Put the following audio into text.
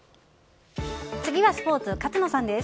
次はスポーツ勝野さんです。